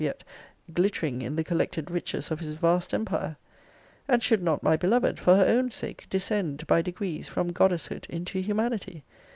yet) glittering in the collected riches of his vast empire? And should not my beloved, for her own sake, descend, by degrees, from goddess hood into humanity?